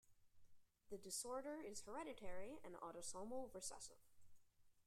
The disorder is hereditary and autosomal recessive.